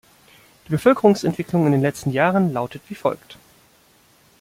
Die Bevölkerungsentwicklung in den letzten Jahren lautet wie folgt.